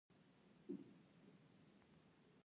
ایا زه باید د اوبو معاینه وکړم؟